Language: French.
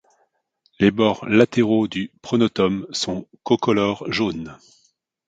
Les bords latéraux du pronotum sont concolores jaune.